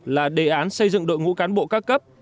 là đề án xây dựng đội ngũ cán bộ các cấp